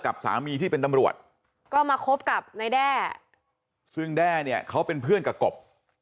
สามีที่เป็นตำรวจก็มาคบกับนายแด้ซึ่งแด้เนี่ยเขาเป็นเพื่อนกับกบ